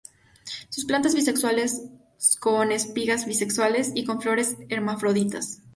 Son plantas bisexuales, con espigas bisexuales, y con flores hermafroditas.